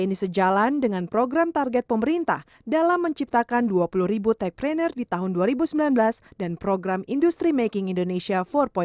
dan ini adalah program target pemerintah dalam menciptakan dua puluh tech planner di tahun dua ribu sembilan belas dan program industri making indonesia empat